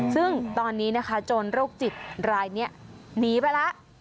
ซึ่งตอนนี้นะคะโจรโรคจิตรายนี้หนีไปแล้ว